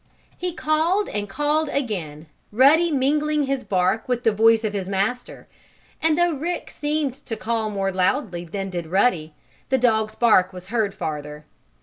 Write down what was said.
He called and called again, Ruddy mingling his bark with the voice of his master. And though Rick seemed to call more loudly than did Ruddy, the dog's bark was heard farther.